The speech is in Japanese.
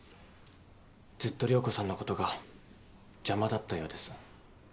ずっと涼子さんのことが邪魔だったようです。